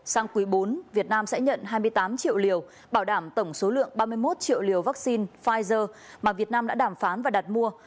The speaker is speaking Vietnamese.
sang quý bốn việt nam sẽ nhận hai mươi tám triệu liều bảo đảm tổng số lượng ba mươi một triệu liều vaccine pfizer mà việt nam đã đàm phán và đặt mua